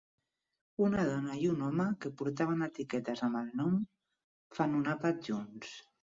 Una dona i un home, que portaven etiquetes amb el nom, fan un àpat junts.